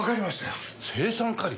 青酸カリ？